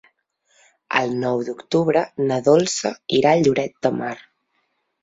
El nou d'octubre na Dolça irà a Lloret de Mar.